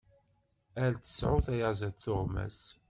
Ar tesεu tyaziḍt tuɣmas!